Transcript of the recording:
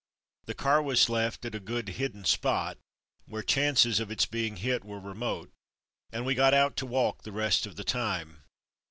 The car was left at a good hidden spot where chances of its being hit were remote, and we got out to walk the rest of the time.